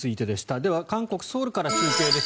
では、韓国ソウルから中継です。